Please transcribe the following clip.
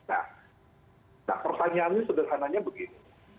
nah pertanyaannya sederhananya begini